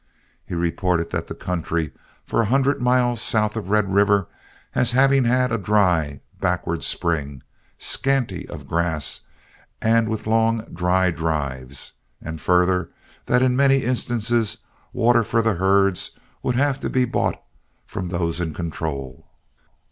He reported the country for a hundred miles south of Red River as having had a dry, backward spring, scanty of grass, and with long dry drives; and further, that in many instances water for the herds would have to be bought from those in control.